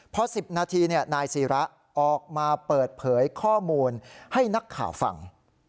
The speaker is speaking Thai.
พอ๑๐นาทีนายศิระออกมาเปิดเผยข้อมูลให้นักข่าวฟัง